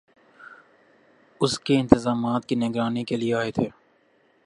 اس کے انتظامات کی نگرانی کیلئے آئے تھے